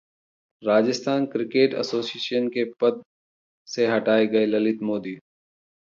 Rajasthan cricket association के अध्यक्ष पद से हटाए गए ललित मोदी